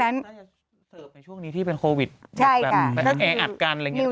ถ้าอย่างนี้ที่เป็นโควิดแออัดการอะไรอย่างนี้ก็